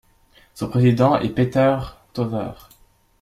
Son président est Peeter Tohver.